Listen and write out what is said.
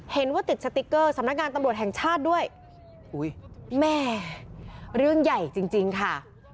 เห็นว่าติดสติ๊กเกอร์สำนักงานตำรวจแห่งชาติด้วยอุ้ยแม่เรื่องใหญ่จริงจริงค่ะ